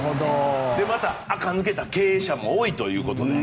また、あか抜けた経営者も多いということで。